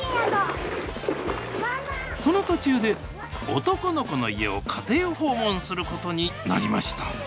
その途中で男の子の家を家庭訪問することになりました